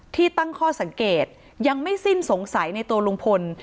ตั้งข้อสังเกตยังไม่สิ้นสงสัยในตัวลุงพล